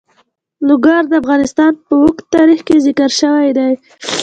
لوگر د افغانستان په اوږده تاریخ کې ذکر شوی دی.